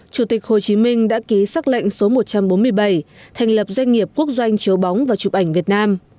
chủ tịch hồ chí minh đã ký xác lệnh số một trăm bốn mươi bảy thành lập doanh nghiệp quốc doanh chiếu bóng và chụp ảnh việt nam